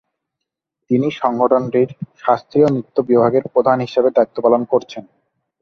তিনি সংগঠনটির শাস্ত্রীয় নৃত্য বিভাগের প্রধান হিসেবে দায়িত্ব পালন করছেন।